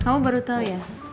kamu baru tau ya